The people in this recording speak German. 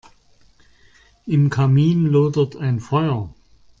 Im Kamin lodert ein Feuer.